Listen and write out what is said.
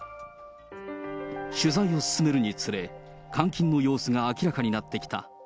取材を進めるにつれ、監禁の様子が明らかになってきた。